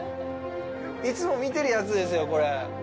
いつも見てるやつですよ、これ！